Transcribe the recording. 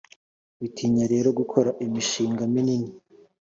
Bitinya rero gukora imishinga minini